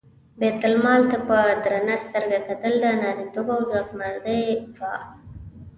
بیت المال ته په درنه سترګه کتل نارینتوب او ځوانمردي وه.